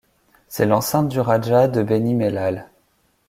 C'est l'enceinte du Raja de Beni Mellal.